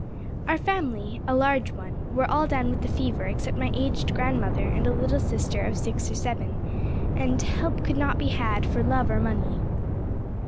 Our family a large one were all down with the fever except my aged grandmother and a little sister of six or seven, and "help could not be had for love or money."